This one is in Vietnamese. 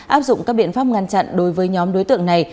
áp dụng các biện pháp ngăn chặn đối với nhóm đối tượng này